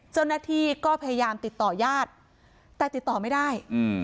เจ้าหน้าที่ก็พยายามติดต่อญาติแต่ติดต่อไม่ได้